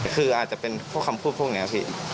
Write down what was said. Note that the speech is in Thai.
ไม่พี่คืออาจจะเป็นพวกคำพูดพวกเนี่ยพี่